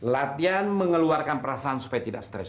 latihan mengeluarkan perasaan supaya tidak stres